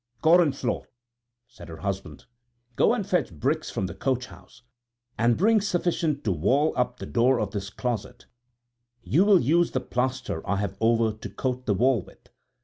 "Gorenflot," said her husband, "go and fetch bricks from the coachhouse, and bring sufficient to wall up the door of this closet; you will use the plaster I have over to coat the wall with."